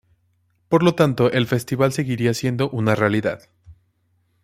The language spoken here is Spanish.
Por lo tanto, el festival seguiría siendo una realidad.